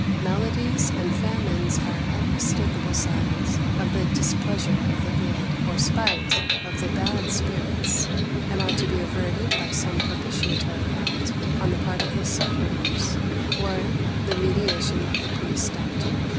Maladies and famines are unmistakeable signs of the displeasure of the good, or spite of the bad spirits, and are to be averted by some propitiatory act on the part of the sufferers, or the mediation of the priest doctor.